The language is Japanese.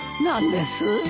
何です？